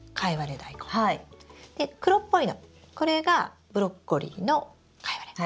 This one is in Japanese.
で黒っぽいのこれがブロッコリーのカイワレ。